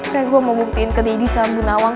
kayaknya gue mau buktiin ke didi sama bu nawang